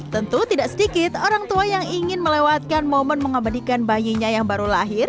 tentu tidak sedikit orang tua yang ingin melewatkan momen mengabadikan bayinya yang baru lahir